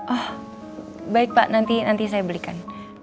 oh baik pak nanti nanti saya belikan